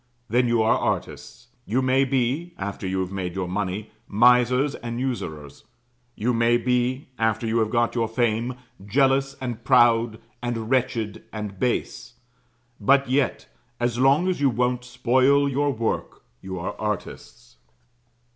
Then you are artists; you may be, after you have made your money, misers and usurers; you may be, after you have got your fame, jealous, and proud, and wretched, and base: but yet, as long as you won't spoil your work, you are artists.